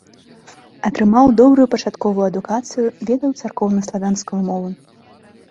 Атрымаў добрую пачатковую адукацыю, ведаў царкоўнаславянскую мову.